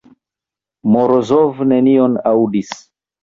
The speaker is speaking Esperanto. Morozov nenion aŭdis.